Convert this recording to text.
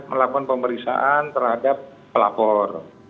melakukan pemeriksaan terhadap pelapor